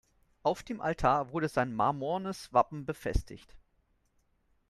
Auf dem Altar wurde sein marmornes Wappen befestigt.